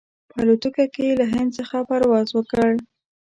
په الوتکه کې یې له هند څخه پرواز وکړ.